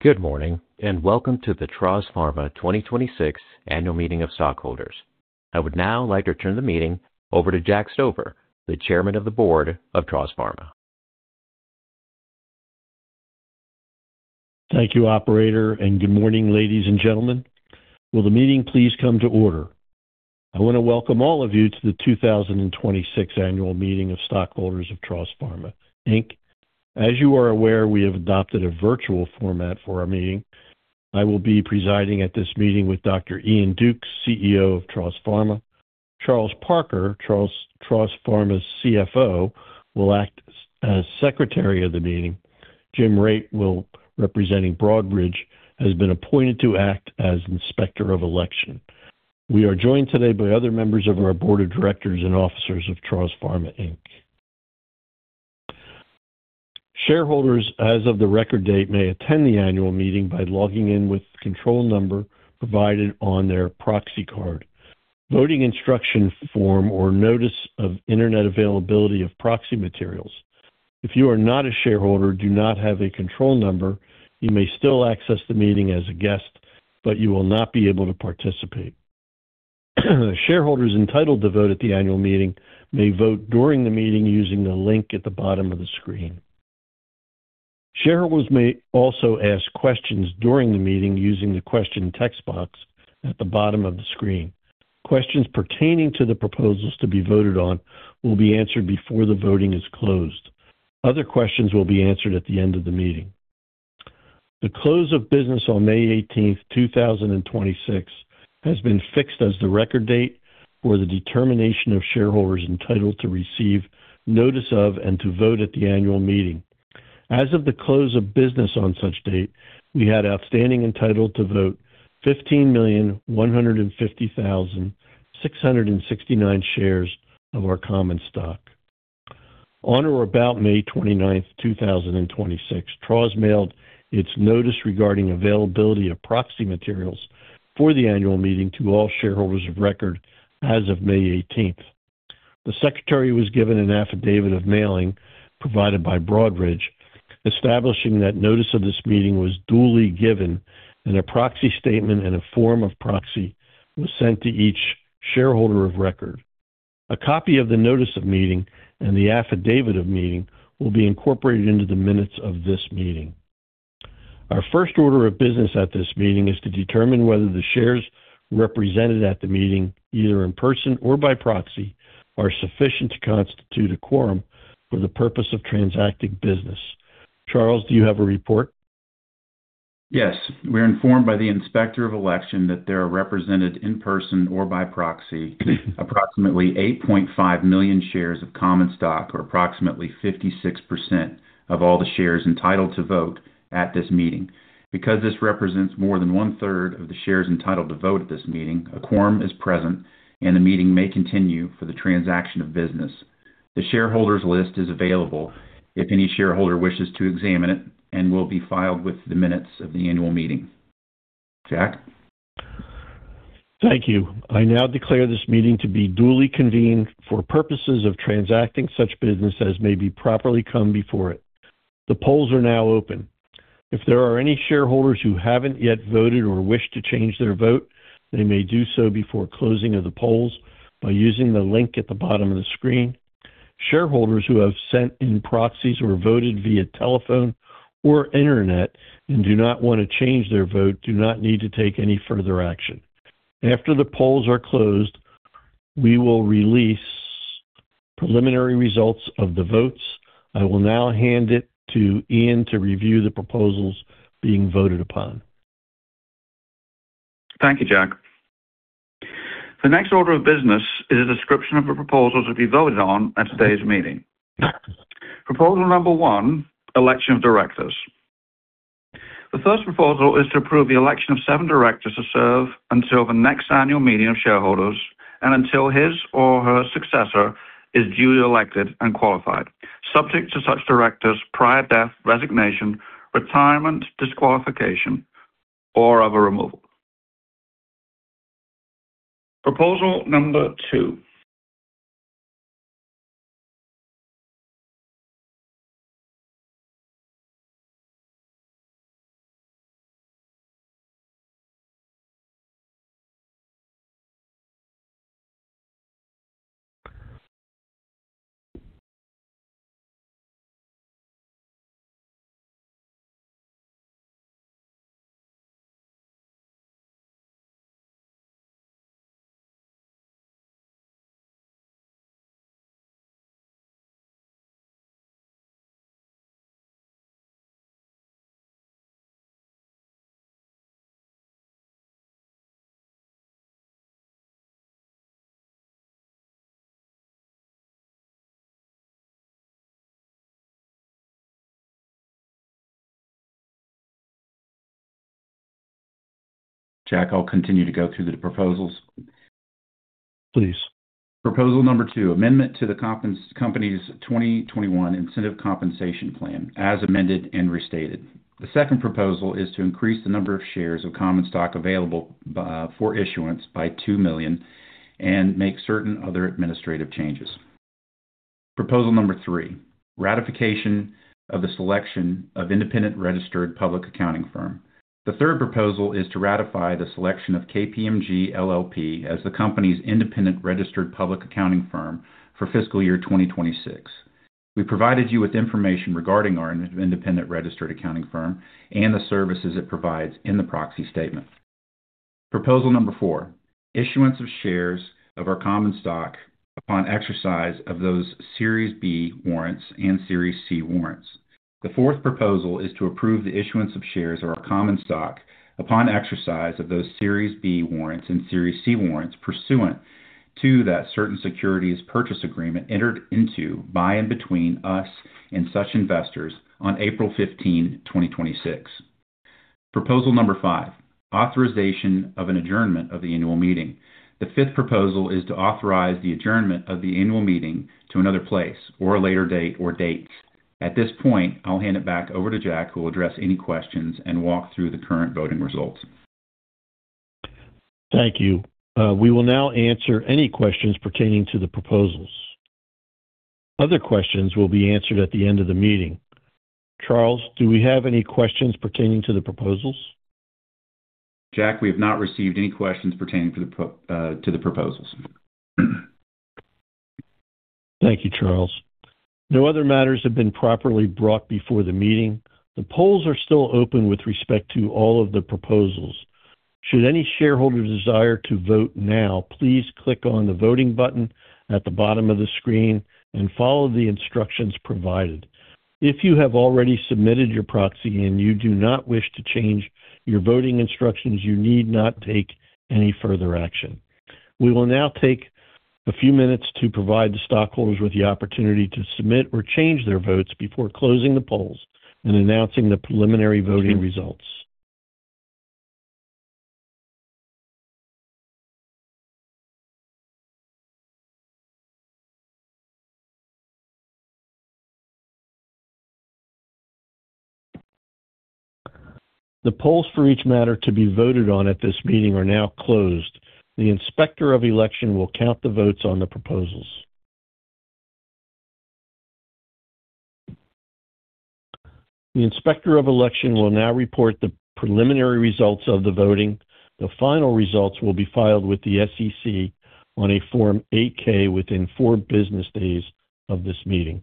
Good morning. Welcome to the Traws Pharma 2026 Annual Meeting of Stockholders. I would now like to turn the meeting over to Jack Stover, the Chairman of the Board of Traws Pharma. Thank you, operator. Good morning, ladies and gentlemen. Will the meeting please come to order? I want to welcome all of you to the 2026 Annual Meeting of Stockholders of Traws Pharma, Inc. As you are aware, we have adopted a virtual format for our meeting. I will be presiding at this meeting with Dr. Iain Dukes, CEO of Traws Pharma. Charles Parker, Traws Pharma's CFO, will act as Secretary of the meeting. Jim Rate, representing Broadridge, has been appointed to act as Inspector of Election. We are joined today by other members of our Board of Directors and officers of Traws Pharma, Inc. Shareholders, as of the record date, may attend the annual meeting by logging in with the control number provided on their proxy card, voting instruction form, or notice of internet availability of proxy materials. If you are not a shareholder, do not have a control number, you may still access the meeting as a guest, you will not be able to participate. Shareholders entitled to vote at the annual meeting may vote during the meeting using the link at the bottom of the screen. Shareholders may also ask questions during the meeting using the question text box at the bottom of the screen. Questions pertaining to the proposals to be voted on will be answered before the voting is closed. Other questions will be answered at the end of the meeting. The close of business on May 18th, 2026, has been fixed as the record date for the determination of shareholders entitled to receive notice of and to vote at the annual meeting. As of the close of business on such date, we had outstanding entitled to vote 15,150,669 shares of our common stock. On or about May 29th, 2026, Traws mailed its notice regarding availability of proxy materials for the annual meeting to all shareholders of record as of May 18th. The Secretary was given an affidavit of mailing provided by Broadridge, establishing that notice of this meeting was duly given and a proxy statement and a form of proxy was sent to each shareholder of record. A copy of the notice of meeting and the affidavit of meeting will be incorporated into the minutes of this meeting. Our first order of business at this meeting is to determine whether the shares represented at the meeting, either in person or by proxy, are sufficient to constitute a quorum for the purpose of transacting business. Charles, do you have a report? Yes. We're informed by the Inspector of Election that there are represented in person or by proxy, approximately 8.5 million shares of common stock, or approximately 56% of all the shares entitled to vote at this meeting. Because this represents more than 1/3 of the shares entitled to vote at this meeting, a quorum is present, and the meeting may continue for the transaction of business. The shareholders list is available if any shareholder wishes to examine it and will be filed with the minutes of the annual meeting. Jack? Thank you. I now declare this meeting to be duly convened for purposes of transacting such business as may be properly come before it. The polls are now open. If there are any shareholders who haven't yet voted or wish to change their vote, they may do so before closing of the polls by using the link at the bottom of the screen. Shareholders who have sent in proxies or voted via telephone or internet and do not want to change their vote do not need to take any further action. After the polls are closed, we will release preliminary results of the votes. I will now hand it to Iain to review the proposals being voted upon. Thank you, Jack. The next order of business is a description of the proposals to be voted on at today's meeting. Proposal number 1, election of directors. The first proposal is to approve the election of seven directors to serve until the next Annual Meeting of Shareholders and until his or her successor is duly elected and qualified, subject to such director's prior death, resignation, retirement, disqualification, or other removal. Proposal number 2. Jack, I'll continue to go through the proposals. Please. Proposal number 2, amendment to the company's 2021 Incentive Compensation Plan, as amended and restated. The second proposal is to increase the number of shares of common stock available for issuance by 2 million and make certain other administrative changes. Proposal number 3, ratification of the selection of independent registered public accounting firm. The third proposal is to ratify the selection of KPMG LLP as the company's independent registered public accounting firm for fiscal year 2026. We provided you with information regarding our independent registered accounting firm and the services it provides in the proxy statement. Proposal number 4, issuance of shares of our common stock upon exercise of those Series B warrants and Series C warrants. The fourth proposal is to approve the issuance of shares of our common stock upon exercise of those Series B warrants and Series C warrants pursuant to that certain securities purchase agreement entered into by and between us and such investors on April 15, 2026. Proposal number 5, authorization of an adjournment of the annual meeting. The fifth proposal is to authorize the adjournment of the annual meeting to another place or a later date or dates. At this point, I'll hand it back over to Jack, who will address any questions and walk through the current voting results. Thank you. We will now answer any questions pertaining to the proposals. Other questions will be answered at the end of the meeting. Charles, do we have any questions pertaining to the proposals? Jack, we have not received any questions pertaining to the proposals. Thank you, Charles. No other matters have been properly brought before the meeting. The polls are still open with respect to all of the proposals. Should any shareholder desire to vote now, please click on the voting button at the bottom of the screen and follow the instructions provided. If you have already submitted your proxy and you do not wish to change your voting instructions, you need not take any further action. We will now take a few minutes to provide the stockholders with the opportunity to submit or change their votes before closing the polls and announcing the preliminary voting results. The polls for each matter to be voted on at this meeting are now closed. The Inspector of Election will count the votes on the proposals. The Inspector of Election will now report the preliminary results of the voting. The final results will be filed with the SEC on a Form 8-K within four business days of this meeting.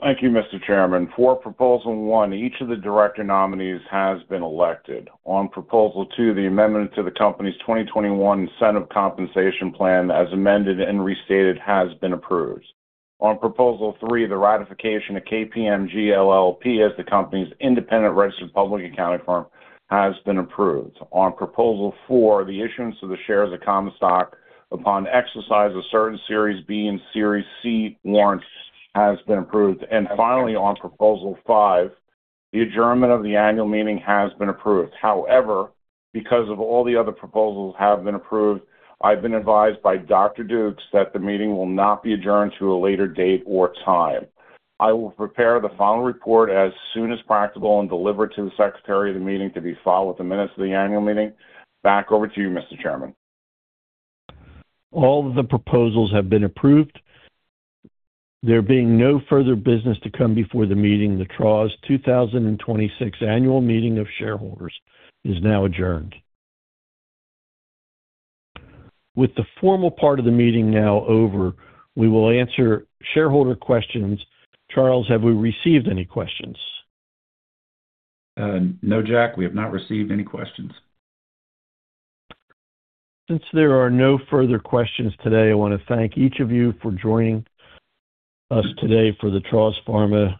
Thank you, Mr. Chairman. For Proposal 1, each of the director nominees has been elected. On Proposal 2, the amendment to the company's 2021 Incentive Compensation Plan, as amended and restated, has been approved. On Proposal 3, the ratification of KPMG LLP as the company's independent registered public accounting firm has been approved. On Proposal 4, the issuance of the shares of common stock upon exercise of certain Series B and Series C warrants has been approved. Finally, on Proposal 5, the adjournment of the annual meeting has been approved. However, because of all the other proposals have been approved, I've been advised by Dr. Dukes that the meeting will not be adjourned to a later date or time. I will prepare the final report as soon as practical and deliver to the Secretary of the meeting to be filed with the minutes of the annual meeting. Back over to you, Mr. Chairman. All the proposals have been approved. There being no further business to come before the meeting, the Traws 2026 Annual Meeting of Shareholders is now adjourned. With the formal part of the meeting now over, we will answer shareholder questions. Charles, have we received any questions? No, Jack, we have not received any questions. Since there are no further questions today, I want to thank each of you for joining us today for the Traws Pharma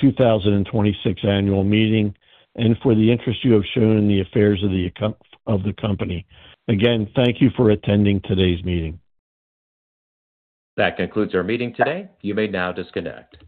2026 annual meeting and for the interest you have shown in the affairs of the company. Again, thank you for attending today's meeting. That concludes our meeting today. You may now disconnect.